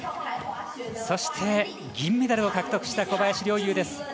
そして、銀メダルを獲得した小林陵侑です。